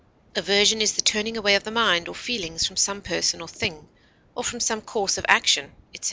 Aversion is the turning away of the mind or feelings from some person or thing, or from some course of action, etc.